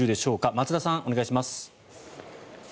松田さん、お願いします。